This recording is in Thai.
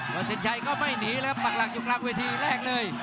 สินชัยก็ไม่หนีเลยครับปักหลักอยู่กลางเวทีแรกเลย